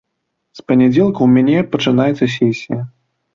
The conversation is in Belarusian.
З панядзелка ў мяне пачынаецца сесія.